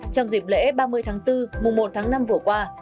trong dịp lễ ba mươi tháng bốn mùa một tháng năm vừa qua